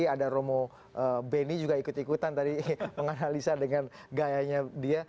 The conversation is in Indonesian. ada romo beni juga ikut ikutan tadi menganalisa dengan gayanya dia